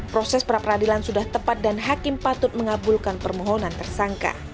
proses pra peradilan sudah tepat dan hakim patut mengabulkan permohonan tersangka